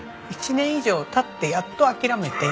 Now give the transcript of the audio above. １年以上経ってやっと諦めて。